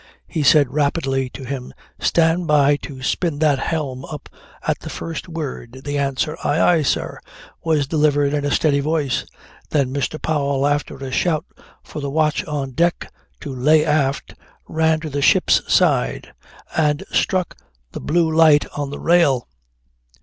He said rapidly to him: "Stand by to spin that helm up at the first word." The answer "Aye, aye, sir," was delivered in a steady voice. Then Mr. Powell after a shout for the watch on deck to "lay aft," ran to the ship's side and struck the blue light on the rail.